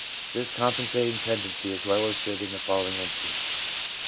This compensating tendency is well illustrated in the follow ing instance.